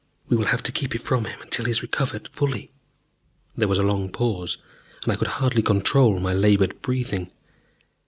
"We will have to keep it from him until he is recovered fully." There was a long pause, and I could hardly control my labored breathing.